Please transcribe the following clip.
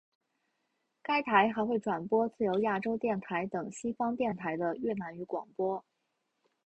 该台还会转播自由亚洲电台等西方电台的越南语广播。